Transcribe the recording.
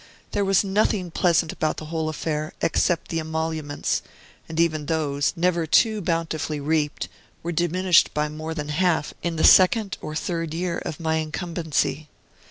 There was nothing pleasant about the whole affair, except the emoluments; and even those, never too bountifully reaped, were diminished by more than half in the second or third year of my incumbency.